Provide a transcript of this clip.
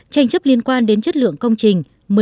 tranh chấp liên quan đến chất lượng công trình một mươi hai